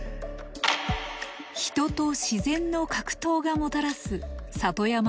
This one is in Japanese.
「人と自然の格闘」がもたらす里山の豊かさ。